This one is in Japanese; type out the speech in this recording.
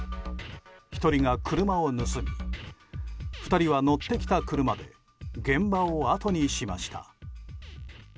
１人が車を盗み２人は乗ってきた車で現場をあとにしました。